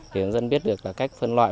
để hướng dẫn biết được cách phân loại